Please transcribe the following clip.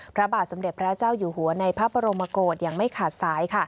พระบาทสมเด็จพระเจ้าอยู่หัวในพระบรมโกศอย่างไม่ขาดสาย